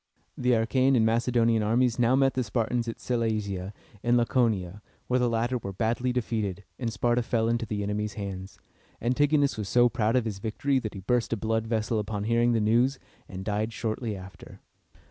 The Achæan and Macedonian armies now met the Spartans at Sel la´sia, in Laconia, where the latter were badly defeated, and Sparta fell into the enemy's hands. Antigonus was so proud of his victory that he burst a blood vessel upon hearing the news, and died shortly after.